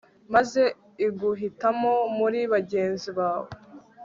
maze iguhitamo muri bagenzi bawe